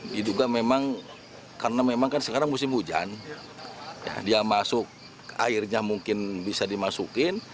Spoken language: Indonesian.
diduga memang karena memang kan sekarang musim hujan dia masuk airnya mungkin bisa dimasukin